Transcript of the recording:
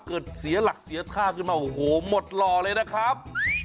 เสียหลักเสียท่าขึ้นมาโอ้โหหมดหล่อเลยนะครับ